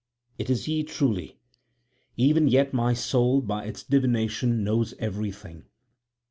It is ye truly. Even yet my soul by its divination knows everything.